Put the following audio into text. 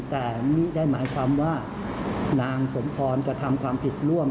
แต่ไม่ได้หมายความว่านางสมพรกระทำความผิดร่วม